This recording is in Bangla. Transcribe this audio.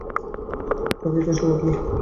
তাঁকে কষে বাঁধল।